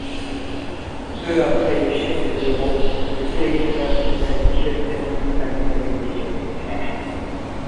Peu après l'échec de l'Euro, le sélectionneur national Michel Platini annonce sa démission.